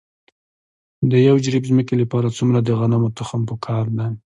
د یو جریب ځمکې لپاره څومره د غنمو تخم پکار دی؟